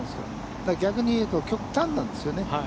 だから、逆に言うと極端なんですよね。